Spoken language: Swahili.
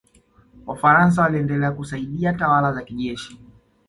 wafaransa waliendelea kusaidia tawala za kijeshi